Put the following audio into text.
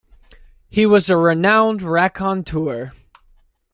He was a renowned raconteur.